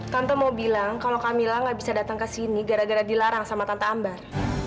tante mau bilang kalau kamila nggak bisa datang ke sini gara gara dilarang sama tante ambar